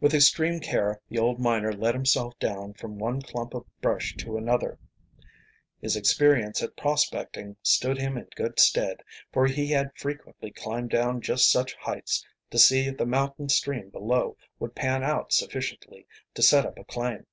With extreme care the old miner let himself down from one clump of brush to another. His experience at prospecting stood him in good stead, for he had frequently climbed down just such heights to see if the mountain stream below would "pan out" sufficiently to set up a claim.